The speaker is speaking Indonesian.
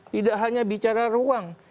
tidak hanya bicara ruang